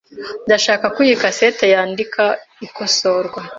Ndashaka ko iyi cassette yandika ikosorwa .